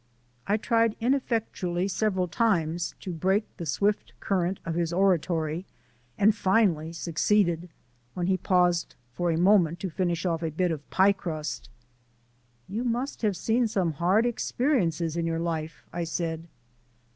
I tried ineffectually several times to break the swift current of his oratory and finally succeeded (when he paused a moment to finish off a bit of pie crust). "You must have seen some hard experiences in your life," I said.